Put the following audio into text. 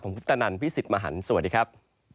ผมพุทธนันพี่สิทธิ์มหันฯสวัสดีครับ